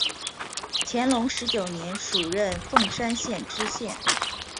乾隆十九年署任凤山县知县。